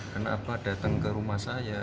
kenapa datang ke rumah saya